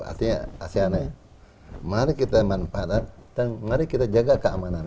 artinya aseanai mari kita manfaatkan dan mari kita jaga keamanan